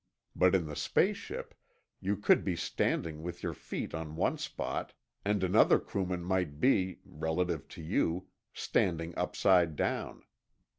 But in the space ship, you could be standing with your feet on one spot, and another crewman might be—relative to you—standing upside down.